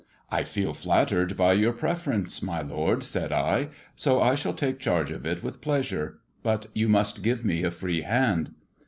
"I feel flattered by your preference, my lord," said I, so I shall take charge of it with pleasure. But you must give me a free hand."